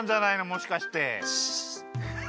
もしかして。